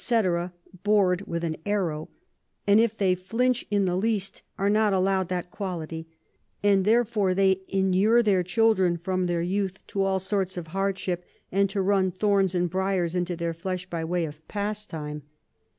_ bored with an Arrow; and if they flinch in the least, are not allow'd that Quality: and therefore they inure their Children from their Youth to all sorts of Hardship, and to run Thorns and Briars into their Flesh by way of Pastime.